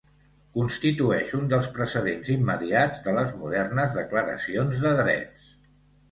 Constitueix un dels precedents immediats de les modernes Declaracions de Drets.